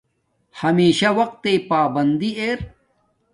ہمشہ وقت تݵ پابندی ار